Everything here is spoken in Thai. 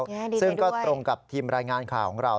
ดีใจด้วยซึ่งก็ตรงกับทีมรายงานข่าวของเรา